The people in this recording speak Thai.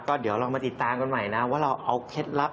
ก็เดี๋ยวลองมาติดตามกันใหม่นะว่าเราเอาเคล็ดลับ